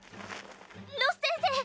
ロス先生